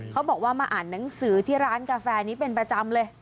เขาบอกว่ามาอ่านหนังสือที่ร้านกาแฟนี้เป็นประจำเลย